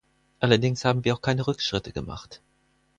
Allerdings haben wir auch keine Rückschritte gemacht.